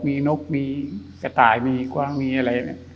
มีนกมีกระต่ายมีกว้างมีอะไร